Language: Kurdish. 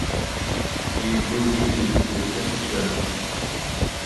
Çaxê wî bi gogê dilîst, destê xwe şikand.